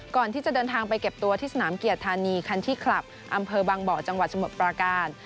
ก่อนที่จะเดินทางไปเก็บตัวที่สนามเกียรติธานีคันที่คลับอำเภอบางบ่อจังหวัดสมุทรปราการ